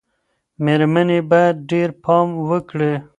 مېرمنې باید ډېر پام وکړي.